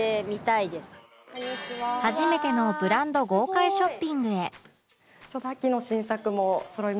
初めてのブランド豪快ショッピングへ